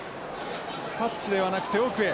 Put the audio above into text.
タッチではなくて奥へ。